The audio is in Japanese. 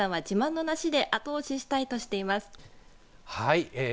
板持さんは自慢の梨で後押ししたいとしています。